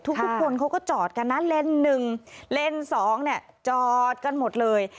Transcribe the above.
ทุกคนเขาก็จอดกันนะเลนส์๑เลนส์๒เนี่ยจอดกันหมดเลย